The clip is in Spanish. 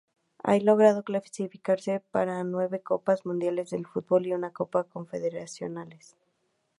Ha logrado clasificarse para nueve Copas Mundiales de Fútbol y una Copa Confederaciones.